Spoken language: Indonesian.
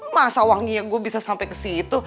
masa wanginya gue bisa sampai kesitu